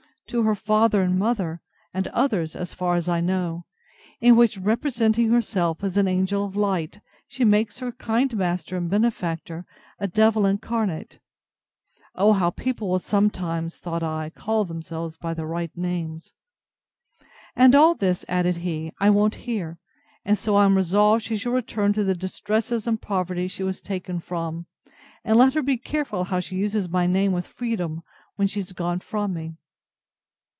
to her father and mother, and others, as far as I know, in which representing herself as an angel of light, she makes her kind master and benefactor, a devil incarnate—(O how people will sometimes, thought I, call themselves by their right names!)—And all this, added he, I won't hear; and so I am resolved she shall return to the distresses and poverty she was taken from; and let her be careful how she uses my name with freedom, when she is gone from me.